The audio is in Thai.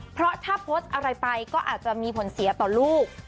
เพราะถ้าโพสต์อะไรไปก็อาจจะมีผลเสียต่อลูก